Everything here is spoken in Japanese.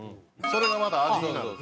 それがまた味になると。